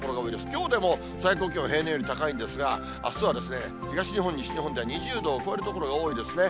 きょうでも最高気温、平年より高いんですが、あすは東日本、西日本では２０度を超える所が多いですね。